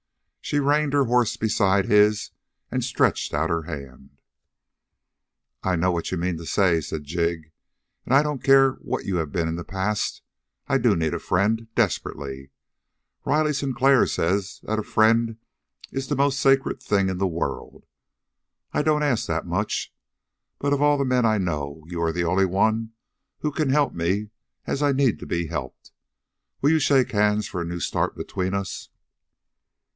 She reined her horse beside his and stretched out her hand. "I know you mean what you say," said Jig. "And I don't care what you have been in the past. I do need a friend desperately. Riley Sinclair says that a friend is the most sacred thing in the world. I don't ask that much, but of all the men I know you are the only one who can help me as I need to be helped. Will you shake hands for a new start between us?"